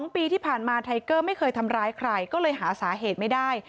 ๒ปีที่ผ่านมาไทเกอร์ไม่เคยทำร้ายใครก็เลยหาสาเหตุไม่ได้